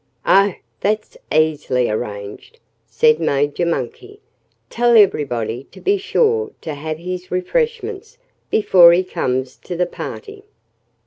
"Oh! that's easily arranged," said Major Monkey. "Tell everybody to be sure to have his refreshments before he comes to the party."